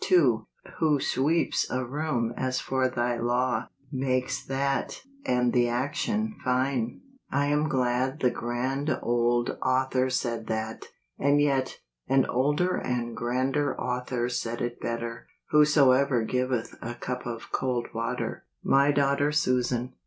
1 2. Who sweeps a room as for thy law, Makes that, and the action, fine." I am glad the grand old author said that. And yet, an older and grander Author said it better: " Whosoever giveth a cup of cold water." My Daughter Susan.